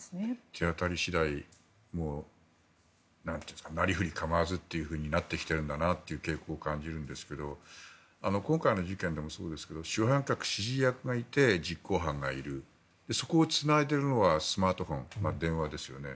手当たり次第なりふり構わずとなってきているんだなという傾向を感じるんですけど今回の事件もそうですが主犯格、指示役がいて実行犯がいるそこをつないでいるのはスマートフォン、電話ですよね。